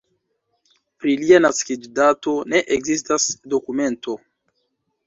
Pri lia naskiĝdato ne ekzistas dokumento.